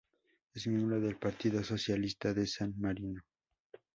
Es miembro del Partido Socialista de San Marino.